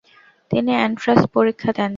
তিনি এন্ট্রান্স পরীক্ষা দেন।